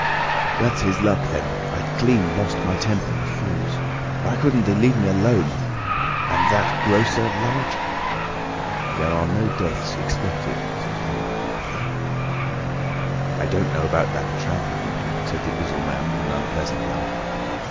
"That's his luck, then. I clean lost my temper, the fools! Why couldn't they leave me alone? And that grocer lout?" "There are no deaths expected," said Kemp. "I don't know about that tramp of mine," said the Invisible Man, with an unpleasant laugh.